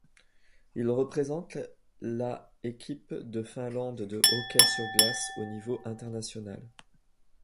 Il représente la équipe de Finlande de hockey sur glace au niveau international.